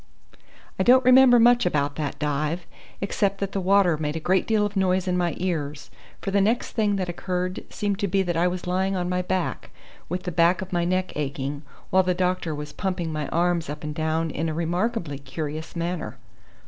I don't remember much about that dive, except that the water made a great deal of noise in my ears, for the next thing that occurred seemed to be that I was lying on my back, with the back of my neck aching, while the doctor was pumping my arms up and down in a remarkably curious manner.